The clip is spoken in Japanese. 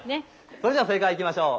それでは正解いきましょう。